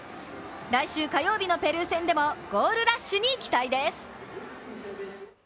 来週火曜日のペルー戦でもゴールラッシュに期待です。